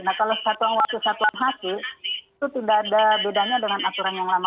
nah kalau satuan waktu satuan masuk itu tidak ada bedanya dengan aturan yang lama